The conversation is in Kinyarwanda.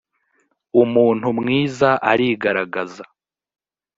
umuntu mwiza arigaragaza